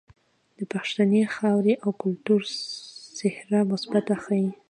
د پښتنې خاورې او کلتور څهره مثبت ښائي.